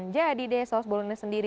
jadi deh saus bolognese sendiri